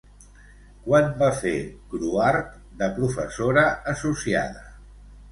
Quan va fer Gruart de professora associada?